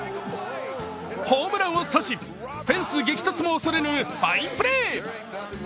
ホームランを阻止、フェンス激突も恐れぬファインプレー。